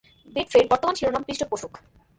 Betfred বর্তমান শিরোনাম পৃষ্ঠপোষক।